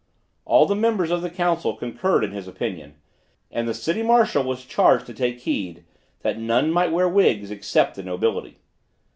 All the members of the Council concurred in his opinion, and the city marshal was charged to take heed that none might wear wigs, except the nobility.